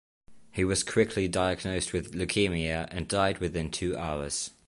He was quickly diagnosed with leukemia, and died within two hours.